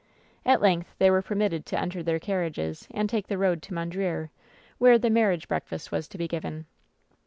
At length they were permitted to enter their carriages and take the road to Mondreer, where the marriage breakfast was to be given.